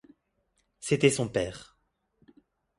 C'était son père.